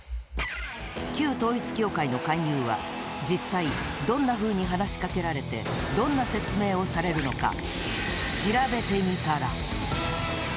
旧統一教会の勧誘は実際どんなふうに話しかけられてどんな説明をされるのか調べてみたら。